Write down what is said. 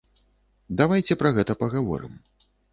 Давайце пра гэта пагаворым.